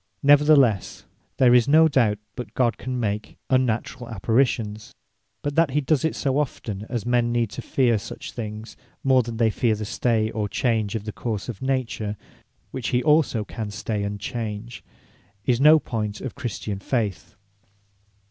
Neverthelesse, there is no doubt, but God can make unnaturall Apparitions. But that he does it so often, as men need to feare such things, more than they feare the stay, or change, of the course of Nature, which he also can stay, and change, is no point of Christian faith.